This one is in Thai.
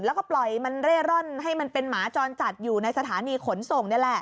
แล้วก็ปล่อยมันเร่ร่อนให้มันเป็นหมาจรจัดอยู่ในสถานีขนส่งนี่แหละ